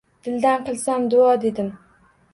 Dildan qilsam duo dedim.